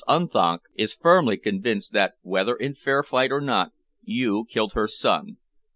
Unthank is firmly convinced that, whether in fair fight or not, you killed her son.